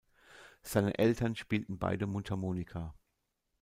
Seine Eltern spielten beide Mundharmonika.